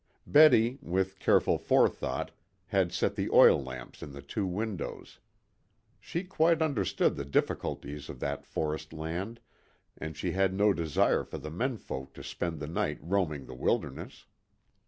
Betty, with careful forethought, had set the oil lamps in the two windows. She quite understood the difficulties of that forest land, and she had no desire for the men folk to spend the night roaming the wilderness.